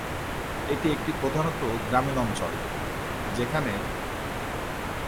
এটি একটি প্রধানত গ্রামীণ অঞ্চল, যেখানে।